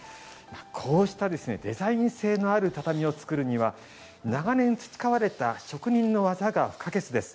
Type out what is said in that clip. こうしたデザイン性のある畳を作るには長年培われた職人の技が不可欠です。